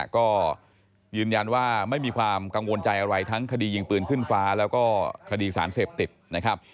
ก็ยืนยันว่าไม่มีความกังวลใจอะไรทั้งคดียิงปืนขึ้นฟ้าแล้วก็คดีสารเสพติดนะครับ